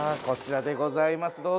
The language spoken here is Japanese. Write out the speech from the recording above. こちらでございます。